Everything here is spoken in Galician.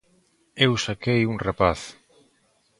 Eu saquei un rapaz.